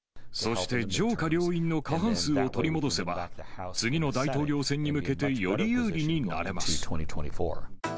そして上下両院の過半数を取り戻せば、次の大統領選に向けて、より有利になれます。